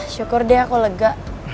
syukur deh aku lega